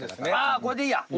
ああこれでいいや！